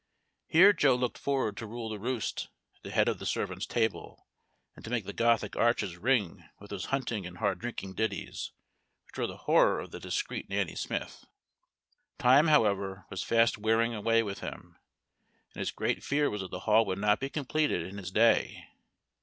Here Joe looked forward to rule the roast at the head of the servants' table, and to make the Gothic arches ring with those hunting and hard drinking ditties which were the horror of the discreet Nanny Smith. Time, however, was fast wearing away with him, and his great fear was that the hall would not be completed in his day.